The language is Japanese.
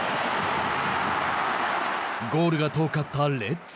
ゴールが遠かったレッズ。